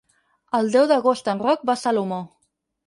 El deu d'agost en Roc va a Salomó.